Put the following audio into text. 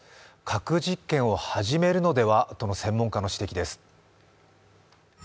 核実験を始めるのではとの専門家の指摘です。